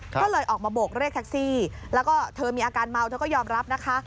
ก็เลยออกมาโบกเรียกแท็กซี่แล้วก็เธอมีอาการเมาเธอก็ยอมรับนะคะ